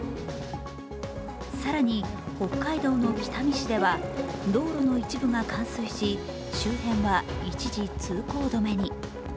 更に北海道の北見市では道路の一部が冠水し、周辺は一時、通行止めに。